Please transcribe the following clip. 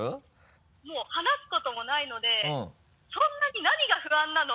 もう話すこともないのでそんなに何が不安なの？